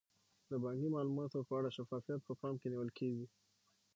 د بانکي معاملاتو په اړه شفافیت په پام کې نیول کیږي.